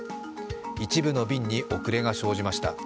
一部の便に遅れが生じました。